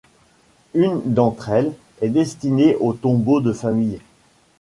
Une d'entre elles est destinée aux tombeaux de famille.